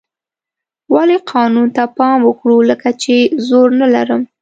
ولې قانون ته پام وکړو لکه چې زور نه لرم.